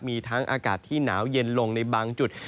มีทั้งอากาศที่หนาวเย็นลงในบางจุด